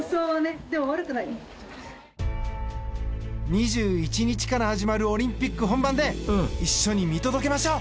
２１日から始まるオリンピック本番で一緒に見届けましょう！